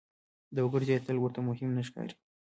د وګړو زیاتېدل ورته مهم نه ښکاري.